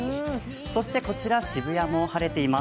そしてこちら渋谷も晴れています。